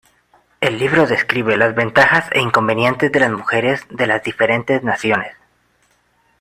El libro describe las ventajas e inconvenientes de las mujeres de las diferentes naciones.